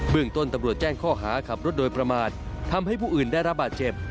เมืองต้นตำรวจแจ้งข้อหาขับรถโดยประมาททำให้ผู้อื่นได้รับบาดเจ็บ